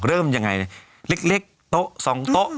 เริ่มยังไงเล็กโต๊ะ๒โต๊ะ